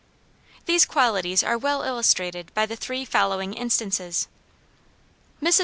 These qualities are well illustrated by the three following instances. Mrs.